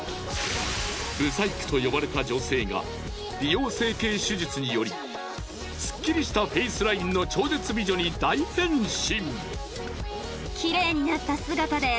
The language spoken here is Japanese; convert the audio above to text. ブサイクと呼ばれた女性が美容整形手術によりスッキリしたフェイスラインの超絶美女に大変身。